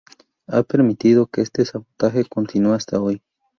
He permitido que este sabotaje continúe hasta hoy.